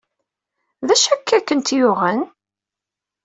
D acu akka ay kent-yuɣen?